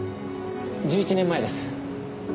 １１年前です。